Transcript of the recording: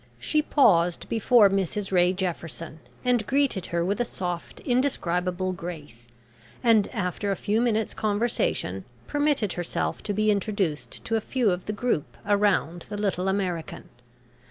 She paused before Mrs Ray Jefferson, and greeted her with a soft indescribable grace, and after a few minutes' conversation permitted herself to be introduced to a few of the group around the little American.